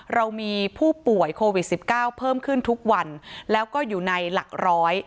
เรามีผู้ป่วยโควิดสิบเก้าเพิ่มขึ้นทุกวันแล้วก็อยู่ในหลักร้อย